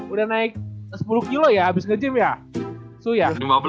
udah naik sepuluh kg ya abis nge gym ya